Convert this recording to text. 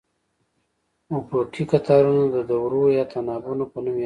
افقي قطارونه د دورو یا تناوبونو په نوم یادیږي.